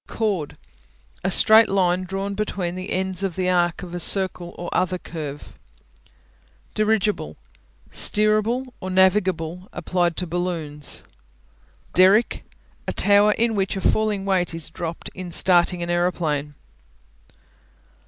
Chord A straight line drawn between the ends of the arc of a circle or other curve. Dirigible (dir' igihle) Steerable or navigable; applied to balloons. Derrick A tower in which a falling weight is dropped in starting an aeroplane.